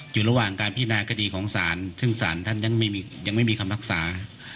อยู่ระหว่างการพินาคดีของศาลซึ่งศาลท่านยังไม่มีคำพักษา